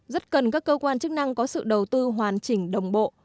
rất cần các cơ quan chức năng có sự đầu tư hoàn chỉnh đồng bộ